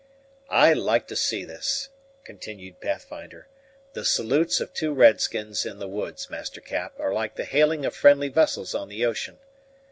"I like to see this," continued Pathfinder; "the salutes of two red skins in the woods, Master Cap, are like the hailing of friendly vessels on the ocean.